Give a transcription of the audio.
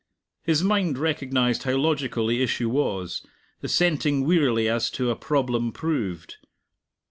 His mind recognized how logical the issue was, assenting wearily as to a problem proved.